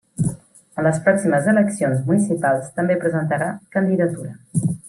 En les pròximes eleccions municipals, també presentarà candidatura.